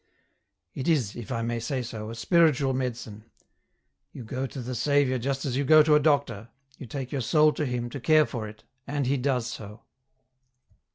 It is, if I may say so, a spiritual medicine ; you go to the Saviour just as you go to a doctor, you take your soul to Him to care for it, and He does so